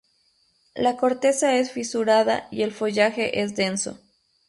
La corteza es fisurada y el follaje es denso.